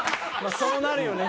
そうなるよね